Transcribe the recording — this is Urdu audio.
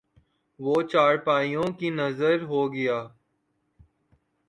وہ چارپائیوں کی نذر ہو گیا